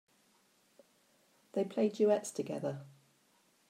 They play duets together.